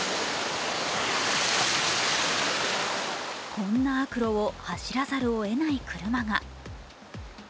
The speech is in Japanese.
こんな悪路を走らざるをえない車が。